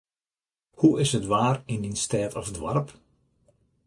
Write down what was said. Hoe is it waar yn dyn stêd of doarp?